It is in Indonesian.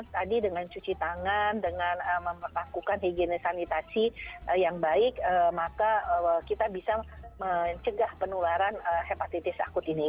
tadi dengan cuci tangan dengan melakukan higiene sanitasi yang baik maka kita bisa mencegah penularan hepatitis akut ini